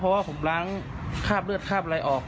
เพราะว่าผมล้างคราบเลือดคราบอะไรออก